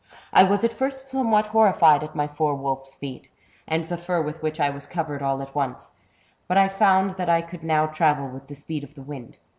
I was at first somewhat horrified at my four wolfs feet, and the far with which I was covered all at once, but I found that I could now travel with the speed of the wind.